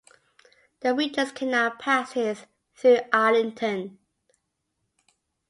The Regent's Canal passes through Islington.